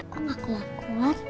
kok nggak kelakuan